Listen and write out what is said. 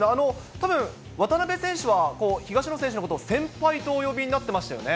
たぶん渡辺選手は東野選手のことを先輩とお呼びになってましたよ